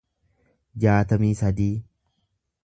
jaatamii sadii